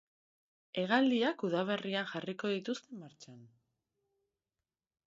Hegaldiak udaberrian jarriko dituzte martxan.